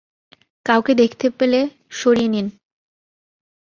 কাউকে দেখতে ফেলে, সরিয়ে নিন।